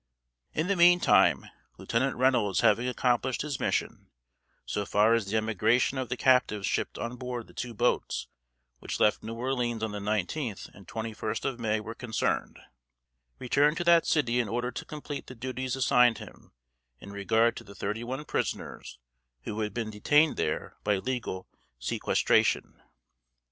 In the meantime, Lieutenant Reynolds having accomplished his mission, so far as the emigration of the captives shipped on board the two boats which left New Orleans on the nineteenth and twenty first of May were concerned, returned to that city in order to complete the duties assigned him in regard to the thirty one prisoners who had been detained there by legal sequestration.